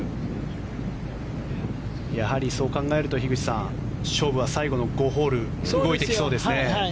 やはりそう考えると樋口さん、勝負は最後の５ホール動いてきそうですね。